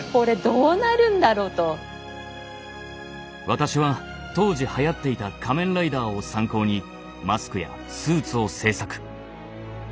私は当時はやっていた「仮面ライダー」を参考にマスクやスーツを制作。